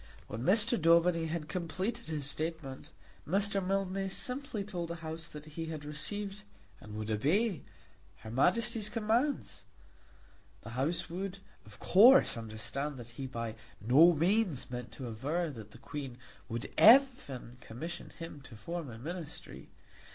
When Mr. Daubeny had completed his statement, Mr. Mildmay simply told the House that he had received and would obey her Majesty's commands. The House would of course understand that he by no means meant to aver that the Queen would even commission him to form a Ministry.